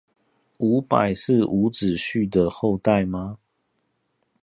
伍佰是伍子胥的後代嗎？